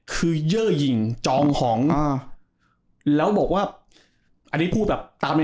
คือเยอร์ยิงจองของอ่าแล้วบอกว่าอันนี้พูดแบบตามใน